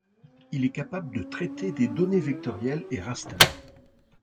Il est capable de traiter des données vectorielles et Raster.